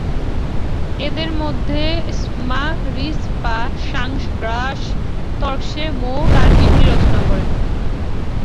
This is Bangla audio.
এঁদের মধ্যে ম্ঙ্গা'-রিস-পা-সাংস-র্গ্যাস-র্ত্সে-মো তার জীবনী রচনা করেন।